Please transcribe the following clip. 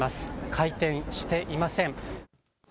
開店していません。